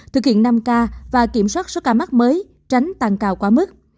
thực hiện năm k và kiểm soát số ca mắc mới tránh tăng cao quá mức